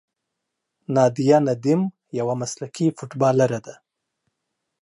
نادیه ندیم یوه مسلکي فوټبالره ده.